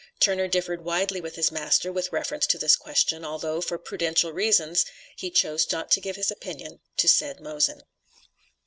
Turner differed widely with his master with reference to this question, although, for prudential reasons, he chose not to give his opinion to said Mosen.